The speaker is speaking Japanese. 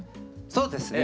そうですね。